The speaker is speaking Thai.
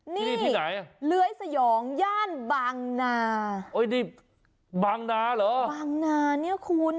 นี่ที่ไหนอ่ะเลื้อยสยองย่านบางนาโอ้ยนี่บางนาเหรอบางนาเนี่ยคุณ